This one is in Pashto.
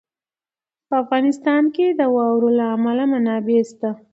په افغانستان کې د واورو له امله منابع شته.